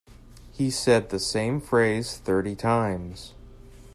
He said the same phrase thirty times.